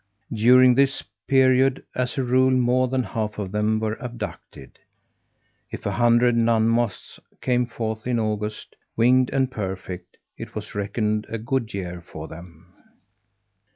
During this period, as a rule, more than half of them were abducted. If a hundred nun moths came forth in August, winged and perfect, it was reckoned a good year for them.